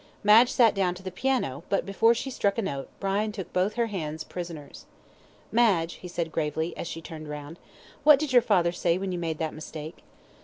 Madge sat down to the piano, but before she struck a note, Brian took both her hands prisoners. "Madge," he said, gravely, as she turned round, "what did your father say when you made that mistake?"